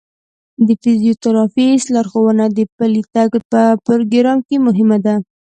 د فزیوتراپیست لارښوونه د پلي تګ په پروګرام کې مهمه ده.